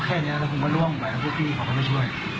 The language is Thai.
แค่นี้แล้วผมก็ล่วงไปแล้วพวกพี่เขาก็มาช่วย